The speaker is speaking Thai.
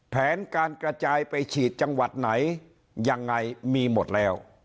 แผนการกระจายไปฉีดจังหวัดไหนยังไงมีหมดแล้ว